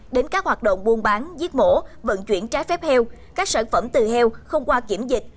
đến các hoạt động buôn bán giết mổ vận chuyển trái phép heo các sản phẩm từ heo không qua kiểm dịch